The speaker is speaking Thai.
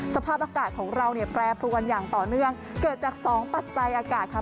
สภาพอากาศของเราเนี่ยแปรปรวนอย่างต่อเนื่องเกิดจากสองปัจจัยอากาศค่ะ